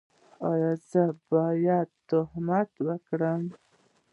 ایا زه باید تهمت وکړم؟